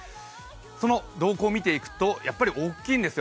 その動向を見ていくとやっぱり大きいんですよ。